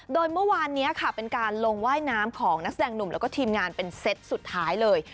โดยเมื่อวานนี้ค่ะเป็นการลงว่ายน้ำของนักแสดงหนุ่มแล้วก็ทีมงานเป็นเซตสุดท้ายเลย